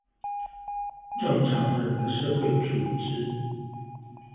正常人的社會組織